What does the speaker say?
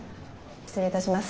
失礼いたします。